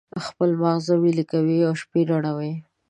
خپل مازغه ویلي کوي او شپې روڼوي.